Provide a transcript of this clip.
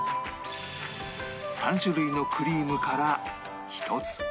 ３種類のクリームから１つ